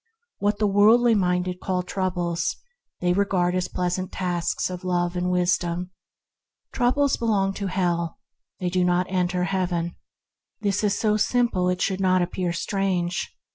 What the worldly minded call troubles they regard as pleasant tasks of Love and Wisdom. Troubles belong to hell; they HEAVEN IN THE HEART 157 do not enter Heaven. This is so simple it should not appear strange.